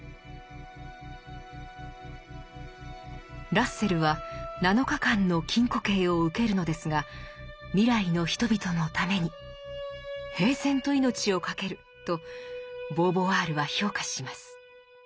ラッセルは七日間の禁錮刑を受けるのですが未来の人々のために「平然と命をかける」とボーヴォワールは評価します。